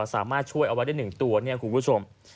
สามารถช่วยเอาไว้ได้๑ตัวเนี่ยคุณผู้ชม